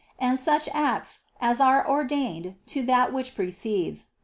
And such acts as are ordained to that which precedes, precede also.